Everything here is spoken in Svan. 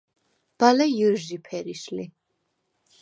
ბალე ჲჷრჟი ფერიშ ლი.